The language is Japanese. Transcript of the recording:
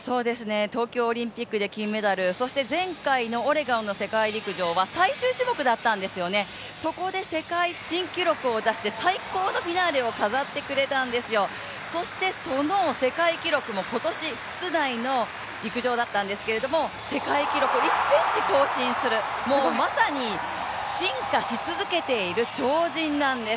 東京オリンピックで金メダル、そして前回のオレゴンの世界陸上は最終種目だったんですよね、そこで世界新記録を出して最高のフィナーレを飾ってくれたんですよ、そしてその世界記録も今年室内の陸上だったんですけれども、世界記録を１ｃｍ更新する、もうまさに進化し続けている鳥人なんです。